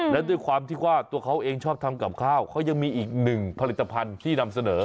และด้วยความที่ว่าตัวเขาเองชอบทำกับข้าวเขายังมีอีกหนึ่งผลิตภัณฑ์ที่นำเสนอ